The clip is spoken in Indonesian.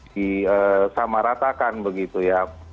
di sama ratakan begitu ya